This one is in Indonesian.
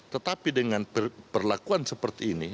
tetapi dengan perlakuan seperti ini